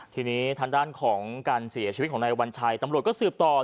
ทีนี้ทางด้านของการเสียชีวิตของนายวัญชัยตำรวจก็สืบต่อ